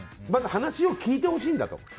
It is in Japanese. まず話を聞いてほしいんだと。